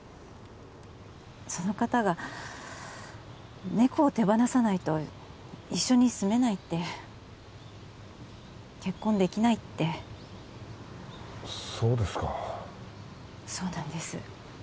その方が猫を手放さないと一緒に住めないって結婚できないってそうですかそうなんです